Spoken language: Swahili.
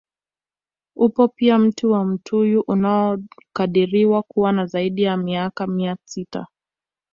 Upo pia mti wa mtuyu unaokadiriwa kuwa na zaidi ya miaka mia sita